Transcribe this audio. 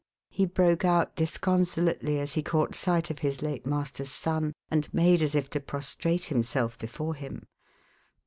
he broke out disconsolately as he caught sight of his late master's son, and made as if to prostrate himself before him.